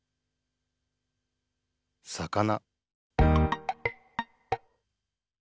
「魚」